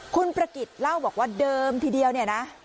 คุณประกิจเล่าบอกว่าเดิมทีเดียวเนี่ยนะ